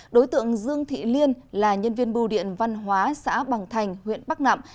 đối tượng dương thị liên là nhân viên bưu điện văn hóa xã bằng thành huyện bắc nạm